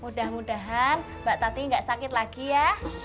mudah mudahan mbak tati nggak sakit lagi ya